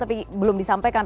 tapi belum disampaikan